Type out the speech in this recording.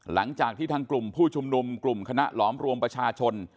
หลังจากที่ทางกลุ่มผู้ชุมนุมกลุ่มคณะหลอมรวมประชาชน